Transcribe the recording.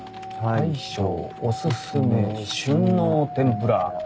大将お薦め旬の天ぷら。